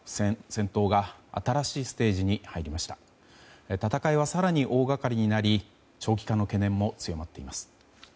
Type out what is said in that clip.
戦いは更に大掛かりになり長期化の懸念も強まっています。